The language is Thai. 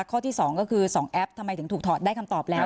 ข้อที่๒ก็คือ๒แอปทำไมถึงถูกถอดได้คำตอบแล้ว